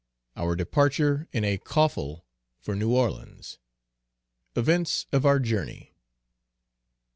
Our departure in a coffle for New Orleans. Events of our journey.